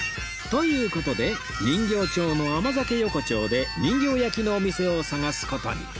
という事で人形町の甘酒横丁で人形焼のお店を探す事に